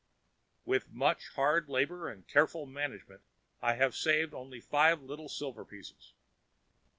With much hard labor and careful management I have saved only five little silver pieces.